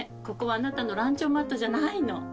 ここはあなたのランチョンマットじゃないの。